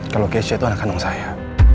kalau keisha itu anak kandung saya